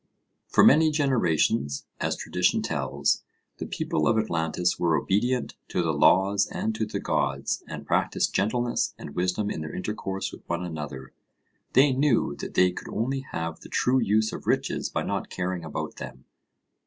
For many generations, as tradition tells, the people of Atlantis were obedient to the laws and to the gods, and practised gentleness and wisdom in their intercourse with one another. They knew that they could only have the true use of riches by not caring about them.